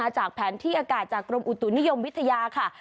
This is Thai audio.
จากแผนที่อากาศจากกรมอุตุนิยมวิทยาค่ะ